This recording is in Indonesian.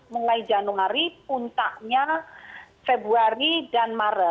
mulai januari puncaknya februari dan maret